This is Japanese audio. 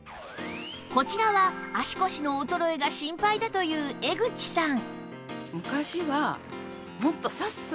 こちらは足腰の衰えが心配だという江口さん